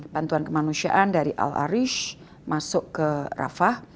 bantuan kemanusiaan dari al arish masuk ke rafah